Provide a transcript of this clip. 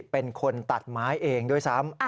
เป็นคนตัดไม้เองด้วยซ้ำ